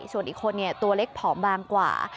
ส่วนอีกคนตัวเล็กผอมบางกว่า